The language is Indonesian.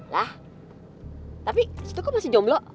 lah tapi situ kok masih jomblo